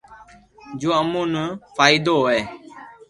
جو امو نو فائدو ھوئي